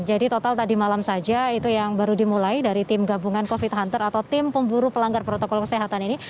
jadi total tadi malam saja itu yang baru dimulai dari tim gabungan covid hunter atau tim pemburu pelanggar protokol kesehatan ini